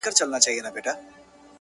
زما د ميني جنډه پورته ښه ده ـ